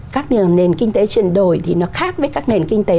các nền kinh tế chuyển đổi khác với các nền kinh tế